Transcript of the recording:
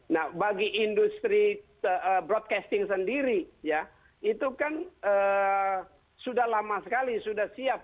nah bagi industri broadcasting sendiri ya itu kan sudah lama sekali sudah siap